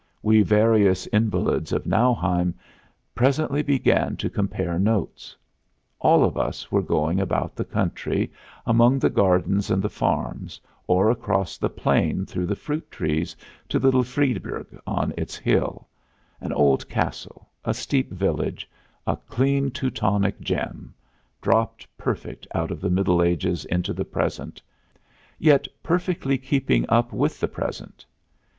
We various invalids of Nauheim presently began to compare notes. All of us were going about the country, among the gardens and the farms, or across the plain through the fruit trees to little Friedberg on its hill an old castle, a steep village, a clean Teutonic gem, dropped perfect out of the Middle Ages into the present, yet perfectly keeping up with the present.